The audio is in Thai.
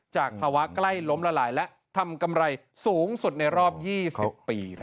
จากภาวะใกล้ล้มละลายและทำกำไรสูงสุดในรอบ๒๐ปี